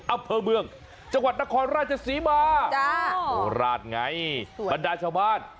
อัพเพอร์เมืองจังหวัดนครราชสีมาจ้าโอ้ราชไงสวยบรรดาชาวบ้าน